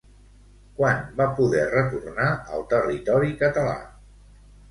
Quan va poder retornar al territori català?